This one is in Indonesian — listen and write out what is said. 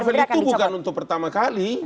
kalau rizafel itu bukan untuk pertama kali